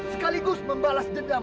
sekaligus membalas dedam